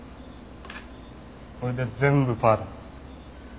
これで全部パーだ。